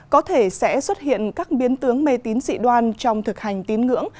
có thể sẽ xuất hiện các biến tướng mê tín dị đoan trong thực hành tín ngưỡng